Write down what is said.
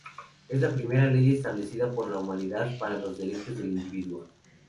Es la primera ley establecida por la humanidad para los Derechos del individuo.